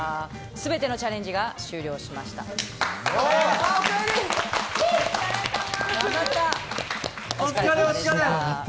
全てのチャレンジが終了しました。